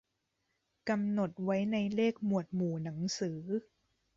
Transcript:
กำหนดไว้ในเลขหมดวหมู่หนังสือ